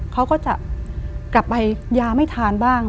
เขาก็จะกลับไปยาไม่ทานบ้าง